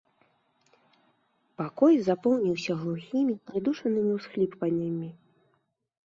Пакой запоўніўся глухімі прыдушанымі ўсхліпваннямі.